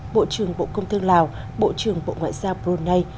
bộ trưởng bộ công thương lào bộ trưởng bộ ngoại giao brunei